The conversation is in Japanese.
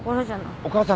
お父さん。